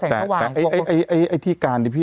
ฟังลูกครับ